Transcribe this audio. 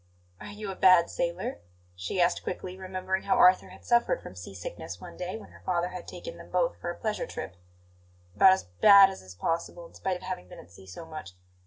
"Are you a bad sailor?" she asked quickly, remembering how Arthur had suffered from sea sickness one day when her father had taken them both for a pleasure trip. "About as bad as is possible, in spite of having been at sea so much.